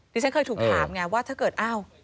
ฉันเคยถูกถามไงว่าถ้าเกิดอ้าว